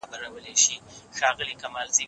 زه بايد موبایل کار کړم!؟